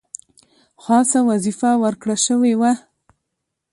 خاصه وظیفه ورکړه شوې وه.